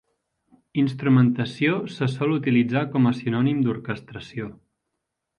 Instrumentació se sol utilitzar com a sinònim d'orquestració.